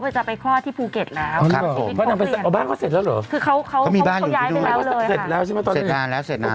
เพราะว่าพี่ก้อยเขาลงชัดเจนเลยว่า